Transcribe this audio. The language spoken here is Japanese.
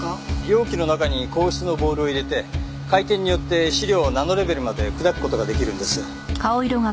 容器の中に硬質のボールを入れて回転によって試料をナノレベルまで砕く事が出来るんです。